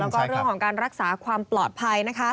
แล้วก็เรื่องของการรักษาความปลอดภัยนะคะ